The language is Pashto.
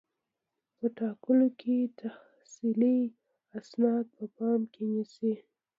په ټاکلو کې تحصیلي اسناد په پام کې نیسي.